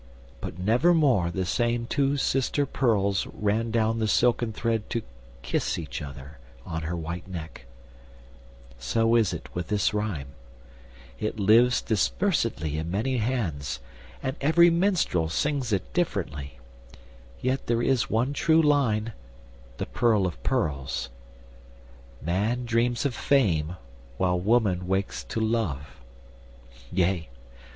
But nevermore the same two sister pearls Ran down the silken thread to kiss each other On her white neck—so is it with this rhyme: It lives dispersedly in many hands, And every minstrel sings it differently; Yet is there one true line, the pearl of pearls: 'Man dreams of Fame while woman wakes to love.' Yea!